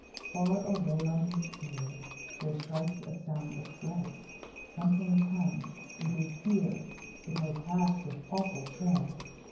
Far away on his ear There strikes a sound of dread: Something comes! it is here! It is passed with awful tread.